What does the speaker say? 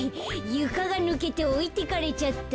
ゆかがぬけておいてかれちゃった。